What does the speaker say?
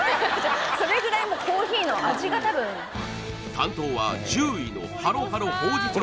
担当は１０位のハロハロほうじ茶